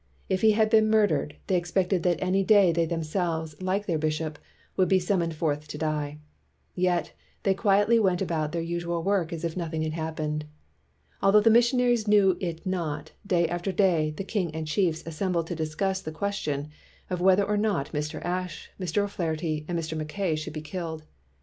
If he had been mur dered, they expected that any day they them selves, like their bishop, would be sum moned forth to die; yet they quietly went about their usual work as if nothing had happened. Although the missionaries knew it not, day after day, the king and chiefs as sembled to discuss the question whether or not Mr. Ashe, Mr. O 'Flaherty, and Mr. Mackay should be killed.